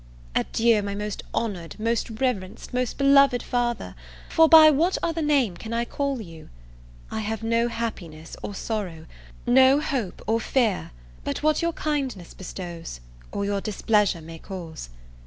Adieu, my most honoured, most reverenced, most beloved father! for by what other name can I call you? I have no happiness or sorrow, no hope or fear, but what your kindness bestows, or your displeasure may cause.